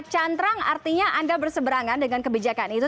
cantrang artinya anda berseberangan dengan kebijakan itu